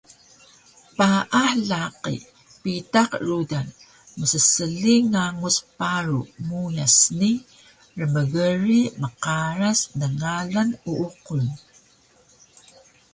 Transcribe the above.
Paah laqi bitaq rudan mssli nganguc paru meuyas ni rmgrig mqaras nngalan uuqun